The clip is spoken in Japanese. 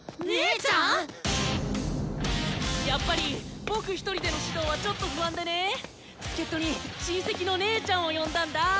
やっぱり僕１人での指導はちょっと不安でね助っ人に親戚の姉ちゃんを呼んだんだ！